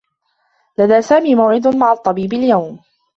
لدى سامي موعد مع الطّبيب اليوم.